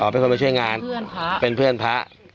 เป็นคนมาช่วยงานพระเป็นเพื่อนพระ